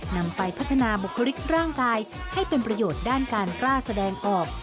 นำไปพัฒนาบุคลิกร่างกายให้เป็นประโยชน์ด้านการกล้าแสดงออก